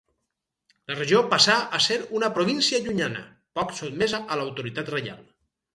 La regió passà a ser una província llunyana, poc sotmesa a l'autoritat reial.